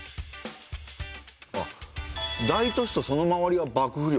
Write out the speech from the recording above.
あっ大都市とその周りは幕府領っすね。